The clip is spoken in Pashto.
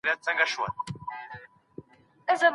دا نوي کالي دي مبارک سه.